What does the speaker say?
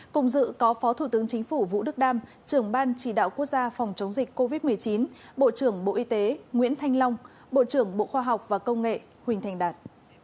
cùng dự có phó thủ tướng chính phủ vũ đức đam trưởng ban chỉ đạo quốc gia phòng chống dịch covid một mươi chín bộ trưởng bộ y tế nguyễn thanh long bộ trưởng bộ khoa học và công nghệ huỳnh thành đạt